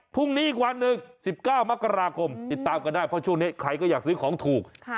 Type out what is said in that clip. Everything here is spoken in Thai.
พรุ่งนี้อีกวันหนึ่ง๑๙มกราคมติดตามกันได้เพราะช่วงนี้ใครก็อยากซื้อของถูก